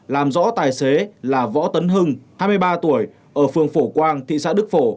làm rõ tài xế là võ tấn hưng hai mươi ba tuổi ở phường phổ quang thị xã đức phổ